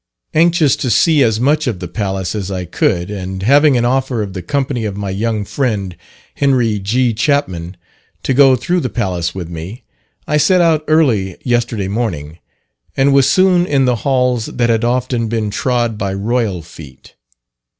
Anxious to see as much of the palace as I could, and having an offer of the company of my young friend, Henry G. Chapman, to go through the palace with me, I set out early yesterday morning, and was soon in the halls that had often been trod by Royal feet.